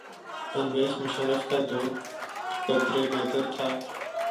پرویز مشرف کا دور قدرے بہتر تھا۔